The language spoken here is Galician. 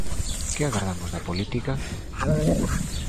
Que agardamos da política?